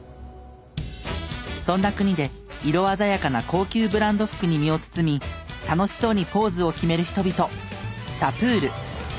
そんな国で色鮮やかな高級ブランド服に身を包み楽しそうにポーズを決める人々サプール。